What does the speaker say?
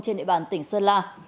trên địa bàn tỉnh sơn la